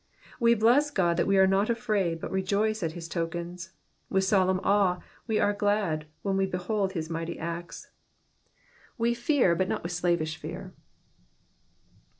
We bless God that we are not afraid but rejoice at his tokens ; with solemn awe we are glad when we behold his mighty acts. We fear, but not with slavish fear.